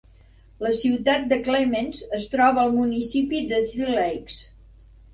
La ciutat de Clements es troba al municipi de Three Lakes.